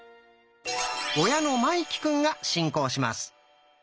親の茉生くんが進行します。